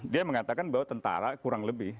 dia mengatakan bahwa tentara kurang lebih